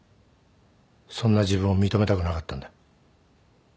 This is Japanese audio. そんな自分を認めたくなかったんだ。